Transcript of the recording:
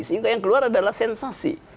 sehingga yang keluar adalah sensasi